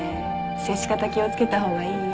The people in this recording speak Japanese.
接し方気を付けた方がいいよ。